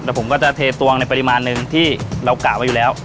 เดี๋ยวผมก็จะเทตวงในปริมาณหนึ่งที่เรากะไว้อยู่แล้ว